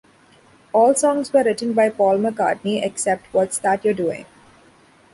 All songs were written by Paul McCartney, except What's That You're Doing?